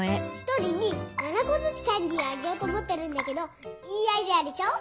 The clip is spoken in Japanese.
１人に７こずつキャンディーをあげようと思ってるんだけどいいアイデアでしょ。